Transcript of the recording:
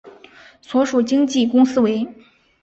所属经纪公司为。